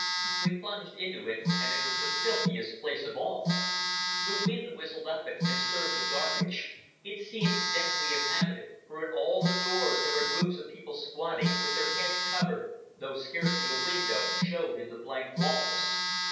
We plunged into it, and it was the filthiest place of all. The wind whistled up it and stirred the garbage. It seemed densely inhabited, for at all the doors there were groups of people squatting, with their heads covered, though scarcely a window showed in the blank walls.